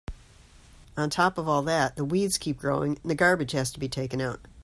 On top of all that, the weeds keep growing and the garbage has to be taken out.